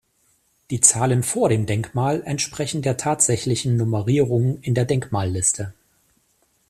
Die Zahlen vor dem Denkmal entsprechen der tatsächlichen Nummerierung in der Denkmalliste.